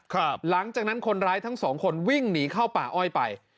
หลังจากนั้นคนร้ายทั้งสองคนวิ่งหนีเข้าป่าอ้อยไป